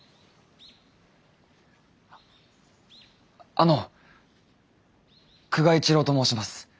あの久我一郎と申します。